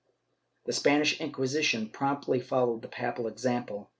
^ The Spanish Inquisition promptly followed the papal example.